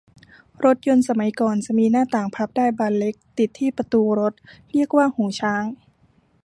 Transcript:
รถยนต์สมัยก่อนจะมีหน้าต่างพับได้บานเล็ก ติดที่ประตูรถ เรียกว่าหูช้าง